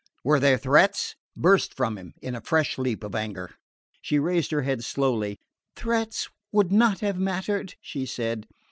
Were there threats?" burst from him in a fresh leap of anger. She raised her head slowly. "Threats would not have mattered," she said.